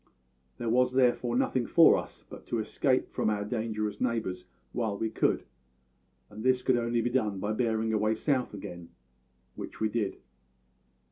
There was therefore nothing for us but to escape from our dangerous neighbours while we could, and this could only be done by bearing away south again, which we did.